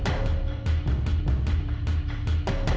aku takkan aku takkan peduli